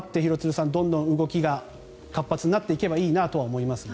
さん、どんどん動きが活発になっていけばいいなとは思いますが。